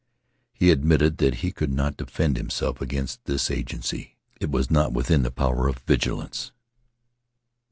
He admitted that he could not defend himself against this agency. It was not within the power of vigilance.